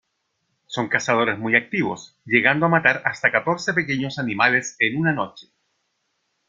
Son cazadores muy activos, llegando a matar hasta catorce pequeños animales en una noche.